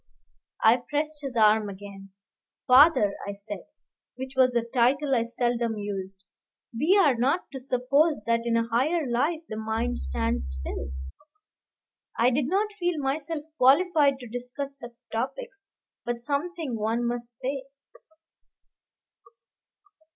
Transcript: I pressed his arm again. "Father," I said, which was a title I seldom used, "we are not to suppose that in a higher life the mind stands still." I did not feel myself qualified to discuss such topics, but something one must say.